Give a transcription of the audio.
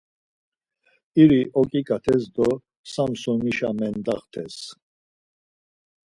İri oǩiǩates do Samsonişa mendaxtes.